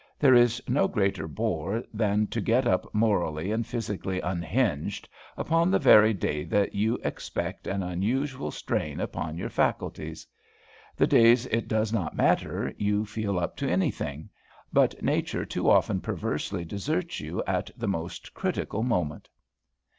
There is no greater bore than to get up morally and physically unhinged, upon the very day that you expect an unusual strain upon your faculties. The days it does not matter, you feel up to anything; but nature too often perversely deserts you at the most critical moment.